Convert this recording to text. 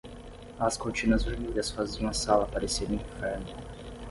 As cortinas vermelhas faziam a sala parecer um inferno.